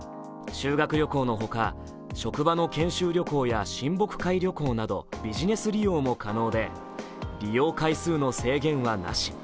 修学旅行のほか職場の研修旅行や親睦会旅行などビジネス利用も可能で利用回数の制限はなし。